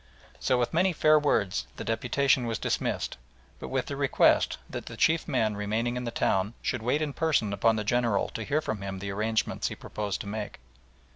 So with many fair words the deputation was dismissed, but with the request that the chief men remaining in the town should wait in person upon the General to hear from him the arrangements he proposed to make.